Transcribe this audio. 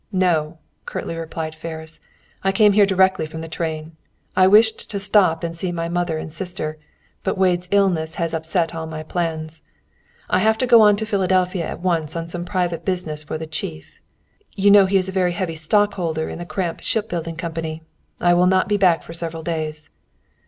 "No," curtly replied Ferris. "I came here directly from the train. I wished to stop and see my mother and sister; but Wade's illness has upset all my plans. "I have to go on to Philadelphia at once on some private business for the Chief. You know he is a very heavy stockholder in the Cramp Shipbuilding Company. I will not be back for several days."